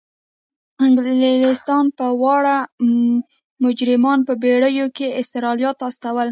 انګلستان به واړه مجرمان په بیړیو کې استرالیا ته استول.